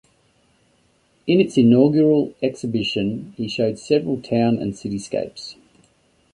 In its inaugural exhibition he showed several town and cityscapes.